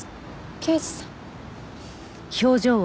刑事さん？